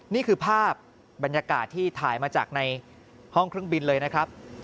นี่คือภาพบรรยากาศที่ถ่ายมาจากในห้องเครื่องบินเลยนะครับ